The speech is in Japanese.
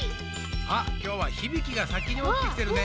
あっきょうはヒビキがさきにおきてきてるね。